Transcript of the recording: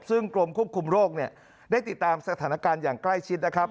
ซึ่งกรมควบคุมโรคเนี่ยได้ติดตามสถานการณ์อย่างใกล้ชิดนะครับ